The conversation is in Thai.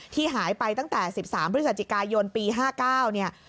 ที่หายไปตั้งแต่๑๓พฤศจิกายนปี๕๙เนี่ย